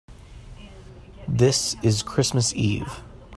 This is Christmas Eve.